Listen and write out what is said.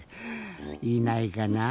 いないかなぁ？